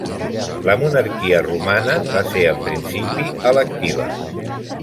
La monarquia romana va ser en principi electiva.